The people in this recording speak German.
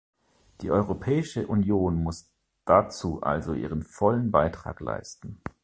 Die Europäische Union muss dazu also ihren vollen Beitrag leisten.